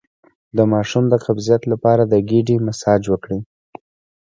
د ماشوم د قبضیت لپاره د ګیډې مساج وکړئ